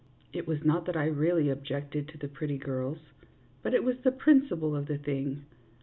It was not that I really objected to the pretty girls, but it was the principle of the thing.